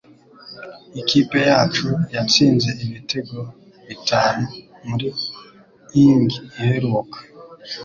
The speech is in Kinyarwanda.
Ikipe yacu yatsinze ibitego bitanu muri inning iheruka